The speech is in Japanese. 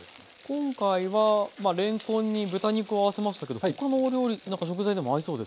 今回はれんこんに豚肉を合わせましたけど他のお料理なんか食材でも合いそうですね。